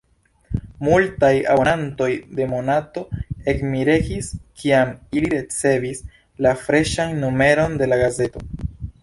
Multaj abonantoj de Monato ekmiregis, kiam ili ricevis la freŝan numeron de la gazeto.